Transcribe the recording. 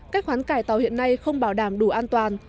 cách hoán cải tàu hiện nay không bảo đảm đủ an toàn